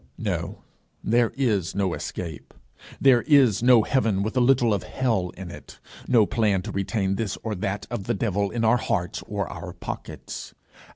No, there is no escape. There is no heaven with a little of hell in it no plan to retain this or that of the devil in our hearts or our pockets.